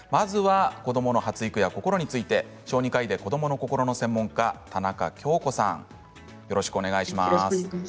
子どもの発育や心について小児科医で子どもの心の専門家田中恭子さんよろしくお願いします。